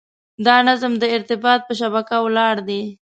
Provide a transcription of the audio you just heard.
دا نظم د ارتباط په شبکه ولاړ دی.